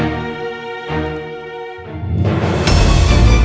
amplopnya sudah diterima pak